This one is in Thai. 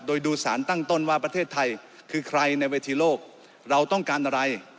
โดยดูสารตั้งต้นว่าประเทศไทยคือใครในเวทีโลกเราต้องการอะไร